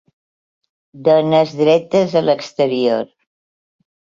Dones dretes a l'exterior